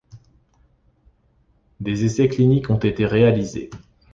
Des essais cliniques ont été réalisés.